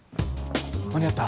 間に合った？